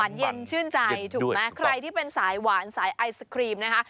เย็นชื่นใจถูกไหมใครที่เป็นสายหวานสายไอศครีมนะคะ